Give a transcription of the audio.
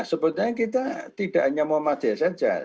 sebetulnya kita tidak hanya muhammadiyah saja